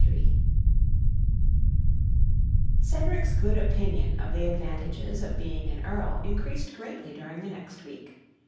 III Cedric's good opinion of the advantages of being an earl increased greatly during the next week.